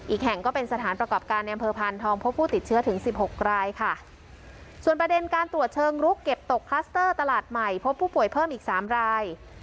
อีกแห่งก็เป็นสถานประกอบการในอำเภอพานทองพบผู้ติดเชื้อถึงสิบหกรายค่ะส่วนประเด็นการตรวจเชิงลุกเก็บตกคลัสเตอร์ตลาดใหม่พบผู้ป่วยเพิ่มอีกสามราย